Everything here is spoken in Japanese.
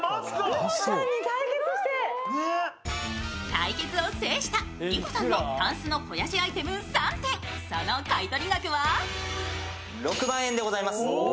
対決を制した理子さんのたんすの肥やしアイテム３点その買取